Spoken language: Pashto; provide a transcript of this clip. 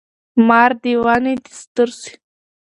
مار د ونې تر سیوري لاندي پروت دی.